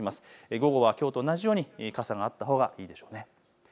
午後はきょうと同じように傘があったほうがいいでしょう。